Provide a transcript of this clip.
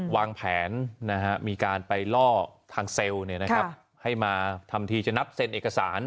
วางแผนมีการไปล่อทางเซลล์ให้มาทำทีจะนับเซ็นเอกสาร